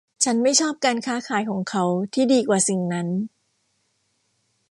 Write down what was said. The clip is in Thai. ฉันไม่ชอบการค้าขายของเขาที่ดีกว่าสิ่งนั้น